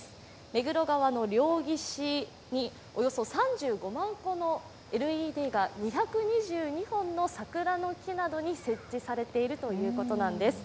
目黒川の両岸におよそ３５万個のＬＥＤが２２０本の桜の木などに設置されているということなんです。